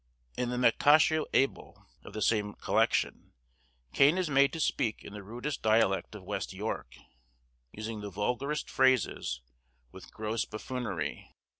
In the 'Mactatio Abel,' of the same collection, Cain is made to speak in the rudest dialect of West York, using the vulgarest phrases, with gross buffoonery.